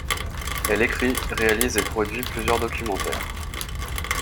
Elle écrit, réalise et produit plusieurs documentaires.